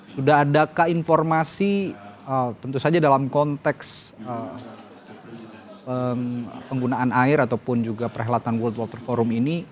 sudah adakah informasi tentu saja dalam konteks penggunaan air ataupun juga perhelatan world water forum ini